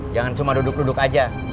jangan cuma duduk duduk aja